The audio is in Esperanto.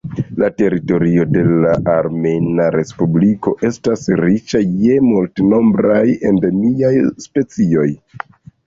La teritorio de la Armena Respubliko estas riĉa je multnombraj endemiaj specioj.